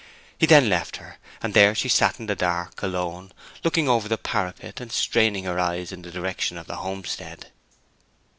He then left her, and there she sat in the dark, alone, looking over the parapet, and straining her eyes in the direction of the homestead.